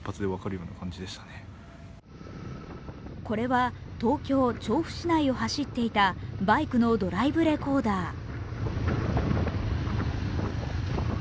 これは東京・調布市内を走っていたバイクのドライブレコーダー。